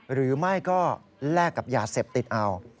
หรือไม่ก็แลกกับยาเสพติดเอา